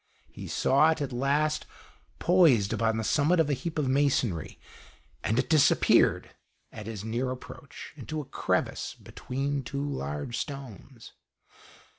He saw it, at last, poised upon the summit of a heap of masonry, and it disappeared, at his near approach, into a crevice between two large stones.